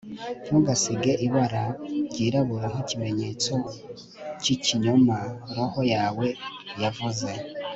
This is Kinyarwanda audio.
ntugasige ibara ryirabura nkikimenyetso cyikinyoma roho yawe yavuze